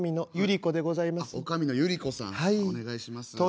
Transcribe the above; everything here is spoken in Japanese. お願いします。